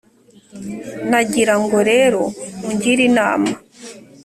nagira ngo rero ungire inama